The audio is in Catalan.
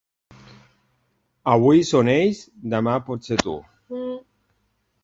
Avui són ells, demà pots ser tu.